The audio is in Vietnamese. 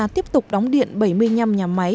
tiếp tục đóng điện bảy mươi năm nhà máy